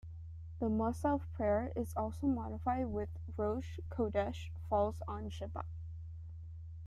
The "Mussaf" prayer is also modified when Rosh Chodesh falls on Shabbat.